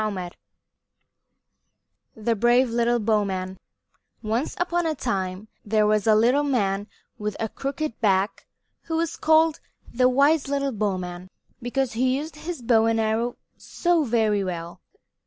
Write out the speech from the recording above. XIV THE BRAVE LITTLE BOWMAN Once upon a time there was a little man with a crooked back who was called the wise little bowman because he used his bow and arrow so very well.